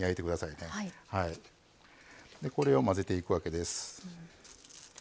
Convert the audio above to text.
でこれを混ぜていくわけです。